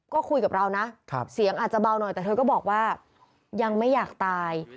ก็คุยกับเรานะเสียงอาจจะเบาหน่อยแต่เธอก็บอกว่ายังไม่อยากตาย